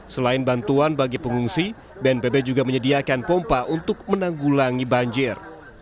selain bantuan bagi pengungsi bnpb juga menyediakan pompa untuk menanggulangi banjir